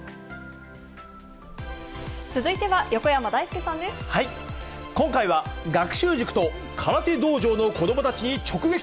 続いては横山だいすけさんで今回は学習塾と空手道場の子どもたちに直撃。